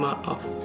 menanggung aku ini